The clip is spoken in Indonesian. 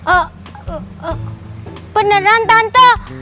oh beneran tante